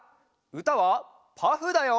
うたは「パフ」だよ！